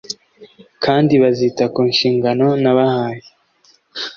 kandi bazita ku nshingano nabahaye